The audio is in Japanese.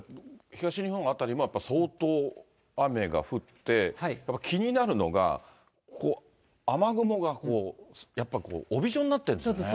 東日本辺りも相当雨が降って、やっぱり気になるのが、ここ、雨雲がこう、やっぱり帯状になってるんですね。